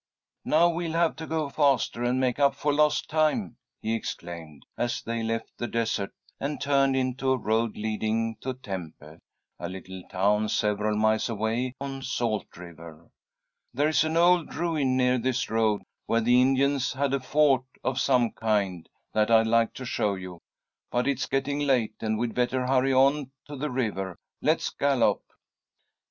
"Now, we'll have to go faster and make up for lost time," he exclaimed, as they left the desert and turned into a road leading to Tempe, a little town several miles away on Salt River. "There is an old ruin near this road, where the Indians had a fort of some kind, that I'd like to show you, but it's getting late, and we'd better hurry on to the river. Let's gallop."